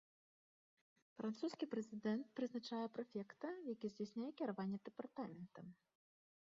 Французскі прэзідэнт прызначае прэфекта, які здзяйсняе кіраванне дэпартаментам.